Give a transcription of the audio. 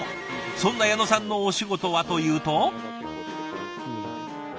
そんな矢野さんのお仕事はというと？